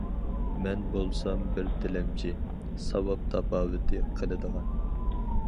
مەن بولسام بىر تىلەمچى،‹‹ ساۋاب تاپاۋىتى›› قىلىدىغان.